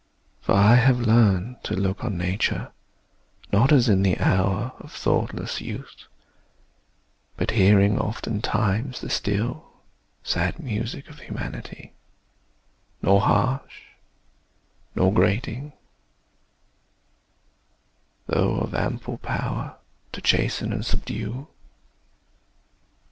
For I have learned To look on nature, not as in the hour Of thoughtless youth; but hearing oftentimes The still, sad music of humanity, Nor harsh nor grating, though of ample power To chasten and subdue.